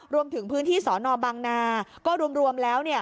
รวมถึงพื้นที่สอนอบางนาก็รวมแล้ว